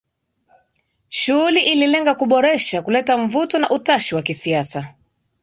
Shughuli ililenga kuboresha kuleta mvuto na utashi wa kisiasa